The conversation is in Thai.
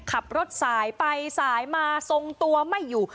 ขับรถสายไปสายมาทรงตัวไม่อยู่